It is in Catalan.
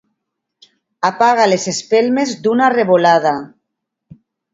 Apaga les espelmes d'una revolada.